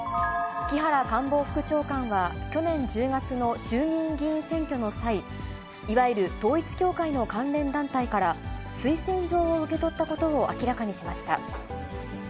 木原官房副長官は、去年１０月の衆議院議員選挙の際、いわゆる統一教会の関連団体から推薦状を受け取ったことを明らかにしました。